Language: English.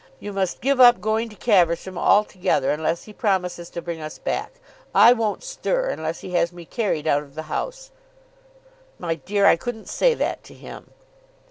You must give up going to Caversham altogether, unless he promises to bring us back. I won't stir, unless he has me carried out of the house." "My dear, I couldn't say that to him."